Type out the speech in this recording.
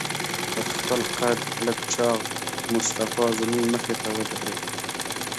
تر خپل قد لږ چاغ مصطفی زموږ مخې ته ودرېد.